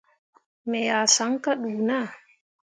Me yah saŋ kah ɗuu naa.